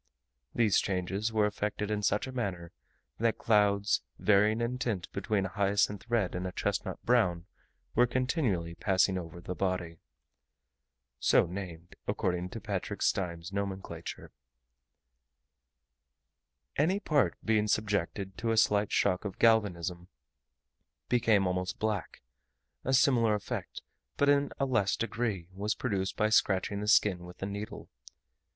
These changes were effected in such a manner, that clouds, varying in tint between a hyacinth red and a chestnut brown, were continually passing over the body. Any part, being subjected to a slight shock of galvanism, became almost black: a similar effect, but in a less degree, was produced by scratching the skin with a needle.